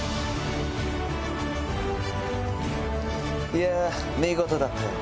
いや見事だったよ